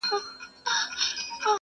• ډار به واچوي په زړوکي -